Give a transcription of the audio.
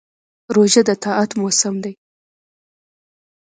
روژه د طاعت موسم دی.